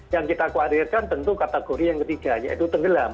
yang kita keadilkan tentu kategori yang ketiga yaitu tenggelam